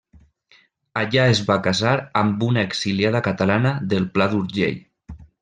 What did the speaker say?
Allà es va casar amb una exiliada catalana del Pla d'Urgell.